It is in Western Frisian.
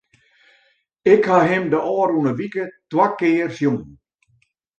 Ik ha him de ôfrûne wike twa kear sjoen.